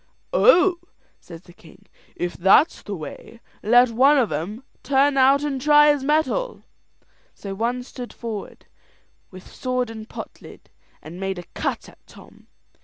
"Oh!" says the king, "if that's the way, let one of 'em turn out and try his mettle." So one stood forward, with sword and pot lid, and made a cut at Tom.